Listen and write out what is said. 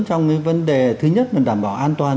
trong cái vấn đề thứ nhất là đảm bảo an toàn